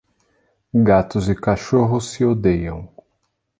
Gatos e cachorros se odeiam.